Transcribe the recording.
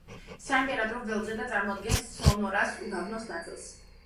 საიმპერატორო ველზე და წარმოადგენს სონორას უდაბნოს ნაწილს.